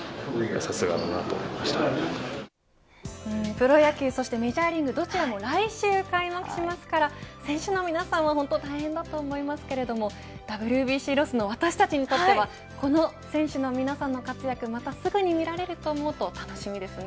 プロ野球そしてメジャーリーグどちらも来週開幕しますから選手の皆さんは、本当大変だと思いますけれどもＷＢＣロスの私たちにとってはこの選手の皆さんの活躍またすぐに見られると思うと楽しみですね。